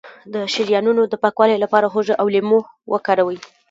د شریانونو د پاکوالي لپاره هوږه او لیمو وکاروئ